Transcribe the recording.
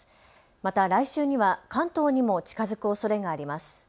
また来週には関東にも近づくおそれがあります。